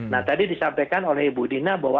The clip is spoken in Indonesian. nah tadi disampaikan oleh ibu dina bahwa